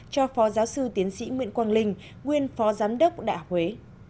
cho phó giáo sư tiến sĩ nguyễn quang linh nguyên phó giám đốc đại học huế